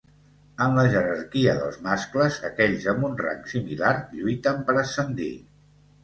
En la jerarquia dels mascles, aquells amb un rang similar lluiten per ascendir.